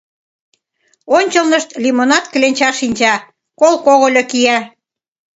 Ончылнышт лимонад кленча шинча, кол когыльо кия.